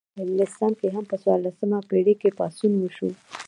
په انګلستان کې هم په څوارلسمه پیړۍ کې پاڅون وشو.